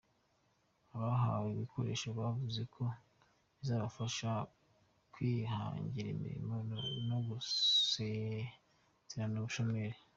Abahawe ibikoresho bavuze ko bizabafasha kwihangira imirimo no gusezerera ubushomeri.